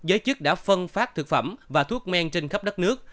giới chức đã phân phát thực phẩm và thuốc men trên khắp đất nước